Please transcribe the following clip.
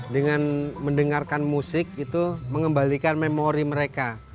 dengan mendengarkan musik itu mengembalikan memori mereka